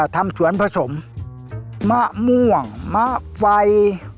ทำสวนผสมมะม่วงมะไฟ